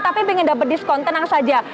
tapi pengen dapat diskon tenang saja